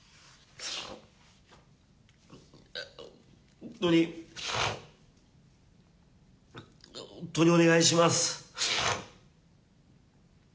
本当に、本当にお願いします。